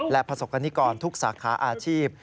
และประสบกรณิกรทุกสาขาอาชีพ